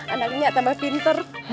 anaknya tambah pinter